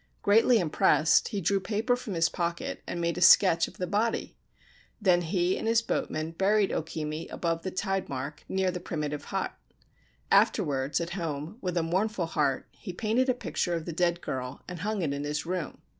Greatly impressed, he drew paper from his pocket and made a sketch of the body. Then he and his boatman buried O Kimi above the tide mark near the primitive hut. Afterwards, at home, with a mournful heart, he painted a picture of the dead girl, and hung it in his room.